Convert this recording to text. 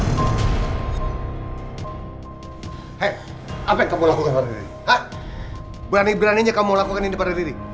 hei apa yang kamu lakukan seperti ini berani beraninya kamu lakukan ini pada diri